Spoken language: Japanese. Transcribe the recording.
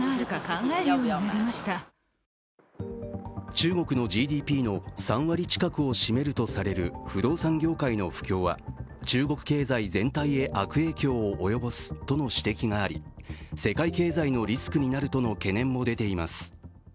中国のＧＤＰの３割近くを占めるとされる不動産業界の不況は中国経済全体へ悪影響を及ぼすとの指摘があり世界経済のリスクになるとの懸念も出ています